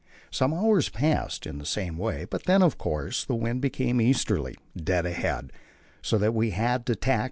Some hours passed in the same way, but then, of course, the wind became easterly dead ahead so that we had tack after tack till 6 p.